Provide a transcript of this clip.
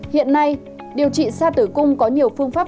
hiện nay điều trị xa tử cung có nhiều phương pháp